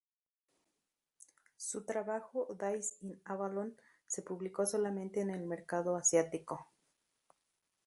Su trabajo "Days in Avalon" se publicó solamente en el mercado asiático.